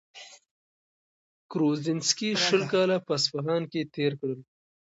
کروزینسکي شل کاله په اصفهان کي تېر کړل.